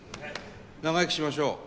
長生きしましょう。